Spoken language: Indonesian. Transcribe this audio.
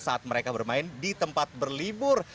saat mereka bermain di tempat berlibur